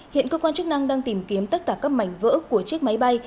hiện cơ quan chức năng đang tìm kiếm tất cả các mảnh vỡ của chiếc máy bay